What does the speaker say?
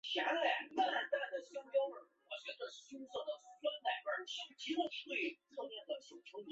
儿童与青少年精神医学或小儿精神医学是精神医学的一个分支。